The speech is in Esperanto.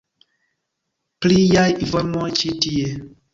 Pliaj informoj ĉi tie.